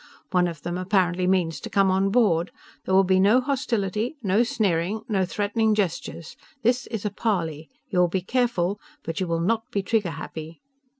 One of them apparently means to come on board. There will be no hostility, no sneering, no threatening gestures! This is a parley! You will be careful. But you will not be trigger happy!"